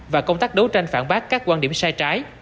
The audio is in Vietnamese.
và công tác đấu tranh phản bác các quan điểm sai trái